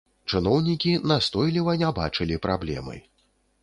Чыноўнікі настойліва не бачылі праблемы.